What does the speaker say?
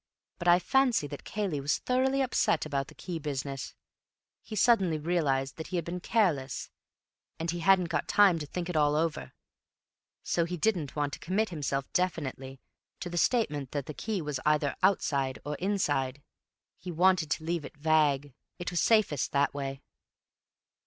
But I fancy that Cayley was thoroughly upset about the key business. He suddenly realized that he had been careless, and he hadn't got time to think it all over. So he didn't want to commit himself definitely to the statement that the key was either outside or inside. He wanted to leave it vague. It was safest that way."